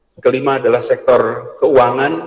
yang kelima adalah sektor keuangan